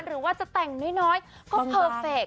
หรือว่าจะแต่งน้อยก็เพอร์เฟค